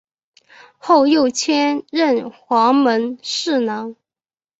后又迁任黄门侍郎。